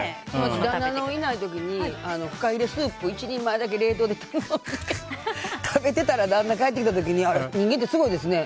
私、旦那のいない時にふかひれスープ１人前だけ冷凍で食べてたら旦那が帰ってきた時人間ってすごいですね。